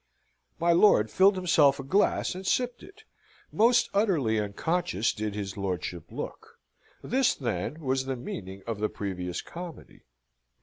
My lord filled himself a glass, and sipped it. Most utterly unconscious did his lordship look. This, then, was the meaning of the previous comedy.